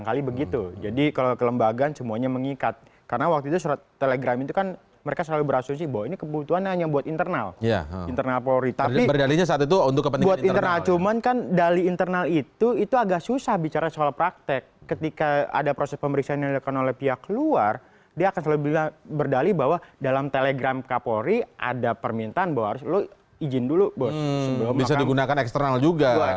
kita simpan terlebih dahulu